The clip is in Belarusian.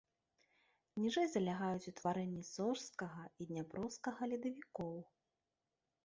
Ніжэй залягаюць утварэнні сожскага і дняпроўскага ледавікоў.